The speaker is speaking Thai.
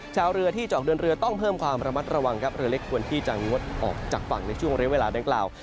ชาวเรือที่จะออกเดินเรือต้องเพิ่มความระมัดระวังครับเรือเล็กควรที่จะงดออกจากฝั่งในช่วงเรียกเวลาดังกล่าว